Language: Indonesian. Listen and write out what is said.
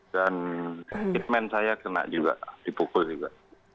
dan hitman saya kena juga dipukul juga